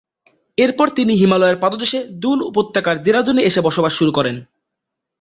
এরপর তিনি হিমালয়ের পাদদেশে দুন উপত্যকার দেরাদুনে এসে বসবাস শুরু করেন।